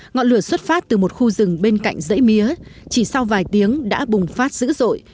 ngọn lửa xuất phát từ một khu rừng bên cạnh dãy mía chỉ sau vài tiếng đã bùng phát dữ dội